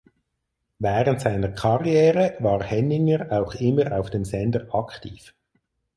Während seiner Karriere war Henninger auch immer auf dem Sender aktiv.